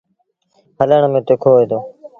هلڻ ميݩ تکو هوئي دو۔